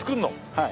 はい。